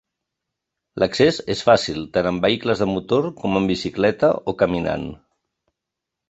L'accés és fàcil tant en vehicles de motor com en bicicleta o caminant.